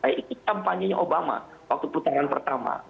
itu kampanye obama waktu putaran pertama